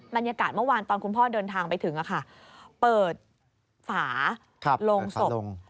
บรรยากาศเมื่อวานตอนคุณพ่อเดินทางไปถึงเปิดฝาโรงศพ